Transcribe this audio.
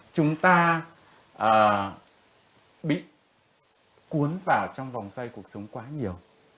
chúng ta bị cuốn vào trong vòng xoay cuộc sống quá nhiều